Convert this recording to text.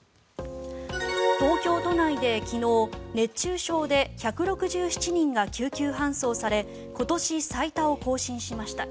東京都内で昨日、熱中症で１６７人が救急搬送され今年最多を更新しました。